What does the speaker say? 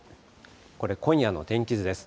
これ、今夜の天気図です。